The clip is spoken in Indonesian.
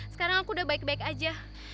sekarang aku udah baik baik aja